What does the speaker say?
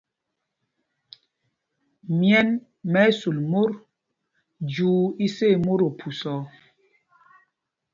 Myɛ̂n mɛ́ ɛ́ sul mot jyuu isá í mot ophusa ɔ.